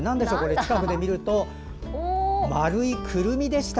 近くで見ると丸いくるみでした。